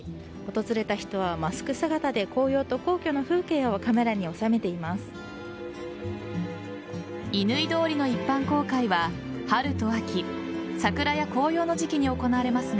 訪れた人はマスク姿で紅葉と皇居の風景をカメラに抑めています。